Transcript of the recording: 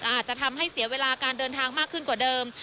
อาจจะทำให้เสียเวลาการเดินทางมากขึ้นกว่าเดิม